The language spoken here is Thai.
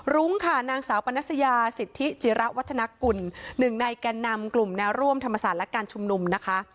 รุ้งค่ะนางสาวปนัสยาสิทธิจิระวัฒนกุลหนึ่งในแก่นำกลุ่มแนวร่วมธรรมศาสตร์และการชุมนุมนะคะ